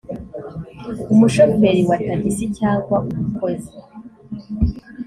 umushoferi wa tagisi cyangwa umukozi